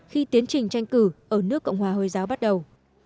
khi tiến trình tranh cử ở nước cộng hòa hồi giáo bắt đầu